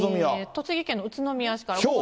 栃木県の宇都宮市から。